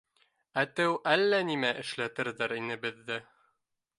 Әтеү әллә нимә эшләтерҙәр ине беҙҙе!